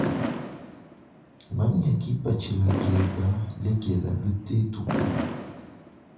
Manya kipatshila keba lekela lutetuku.